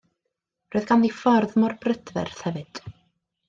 Roedd ganddi ffordd mor brydferth hefyd.